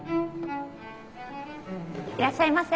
いらっしゃいませ。